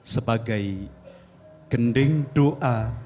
sebagai gending doa